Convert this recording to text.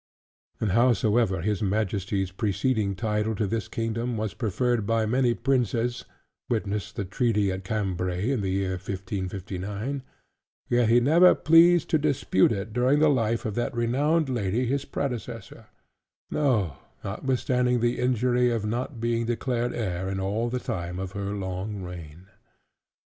And howsoever his Majesty's preceding title to this Kingdom was preferred by many princes (witness the Treaty at Cambray in the year 1559) yet he never pleased to dispute it, during the life of that renowned lady his predecessor; no, notwithstanding the injury of not being declared heir, in all the time of her long reign.